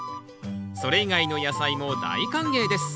それ以外の野菜も大歓迎です。